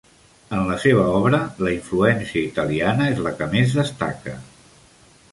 En la seva obra, la influència italiana és la que més destaca.